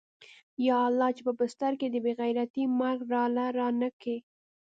يا الله چې په بستر کې د بې غيرتۍ مرگ راله رانه کې.